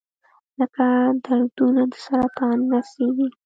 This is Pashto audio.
لکه دردونه د سرطان نڅیږي